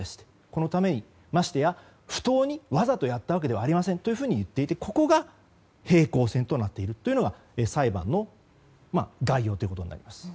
このために、ましてや不当にわざとやったわけではありませんと言っていて、ここが平行線となっているというのが裁判の概要となります。